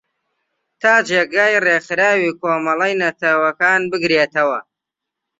تا جێگای ریکخراوی کۆمەلەی نەتەوەکان بگرێتەوە